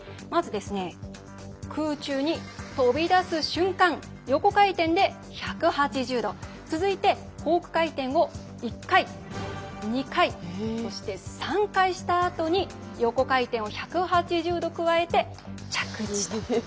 まずですね、空中に飛び出す瞬間横回転で１８０度続いてコーク回転を１回、２回そして３回したあとに横回転を１８０度加えて着地と。